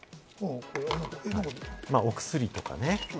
お薬とかね。